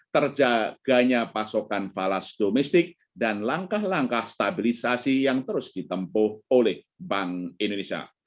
terjaganya pasokan falas domestik dan langkah langkah stabilisasi yang terus ditempuh oleh bank indonesia